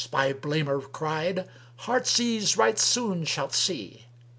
my blamer cried, 'Heartsease right soon shalt see!'